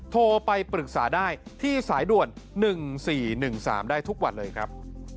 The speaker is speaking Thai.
โทรไปปรึกษาได้ที่สายด่วน๑๔๑๓ได้ทุกวันเลยครับ